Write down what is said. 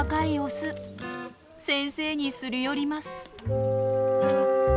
先生にすり寄ります。